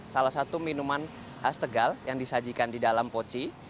salah satu minuman khas tegal yang disajikan di dalam poci